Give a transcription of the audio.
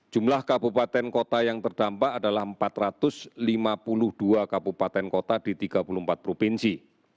jumlah kabupaten kota yang terdampak adalah empat ratus lima puluh dua kabupaten kota di tiga puluh empat provinsi